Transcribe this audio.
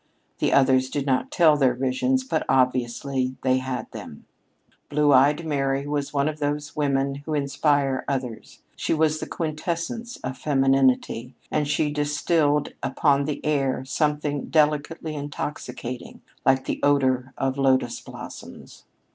The others did not tell their visions, but obviously they had them. Blue eyed Mary was one of those women who inspire others. She was the quintessence of femininity, and she distilled upon the air something delicately intoxicating, like the odor of lotus blossoms.